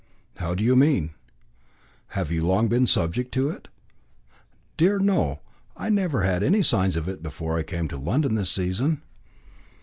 "How do you mean? Have you long been subject to it?" "Dear, no. I never had any signs of it before I came to London this season."